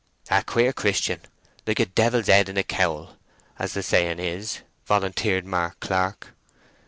"A queer Christian, like the Devil's head in a cowl, as the saying is," volunteered Mark Clark.